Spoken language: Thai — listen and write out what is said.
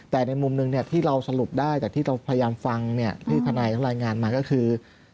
แต่ในมุมหนึ่งที่เราสรุปได้จากที่เราพยายามฟังที่ทนายเขารายงานมาก็คือ